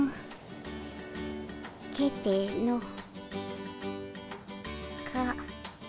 けての。か。